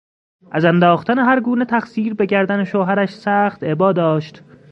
از انداختن هرگونه تقصیر به گردن شوهرش سخت ابا داشت.